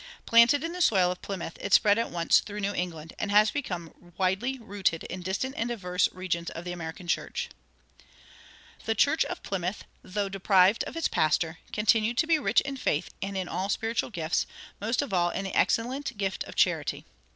Planted in the soil of Plymouth, it spread at once through New England, and has become widely rooted in distant and diverse regions of the American church.[89:1] The church of Plymouth, though deprived of its pastor, continued to be rich in faith and in all spiritual gifts, and most of all in the excellent gift of charity.